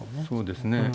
そうですね。